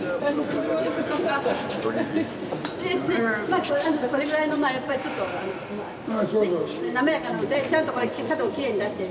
まあこれぐらいのやっぱりちょっと滑らかなのでちゃんと角をきれいに出して。